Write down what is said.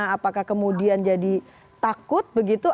apakah kemudian jadi takut begitu